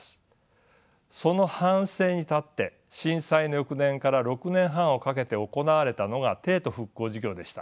その反省に立って震災の翌年から６年半をかけて行われたのが帝都復興事業でした。